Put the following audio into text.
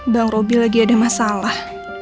bang robby lagi ada masalah